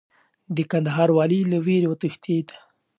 د کندهار والي له ویرې وتښتېد.